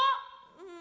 うん。